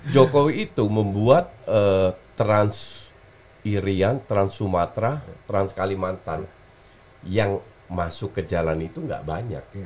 jokowi itu membuat trans irian trans sumatera trans kalimantan yang masuk ke jalan itu tidak banyak